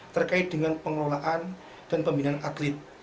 terkait dengan pengelolaan dan pembinaan atlet